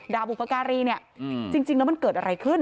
ดาบุปกรีเนี้ยอืมจริงจริงแล้วมันเกิดอะไรขึ้น